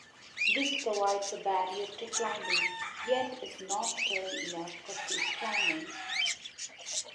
This provides a barrier to climbing, yet is not sturdy enough for safe climbing.